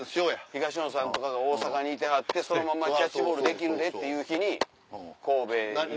東野さんとかが大阪にいてはってそのままキャッチボールできるねっていう日に神戸に。